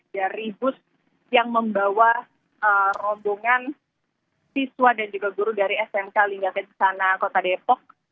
dari bus yang membawa rombongan siswa dan juga guru dari smk linggak ke sana kota depok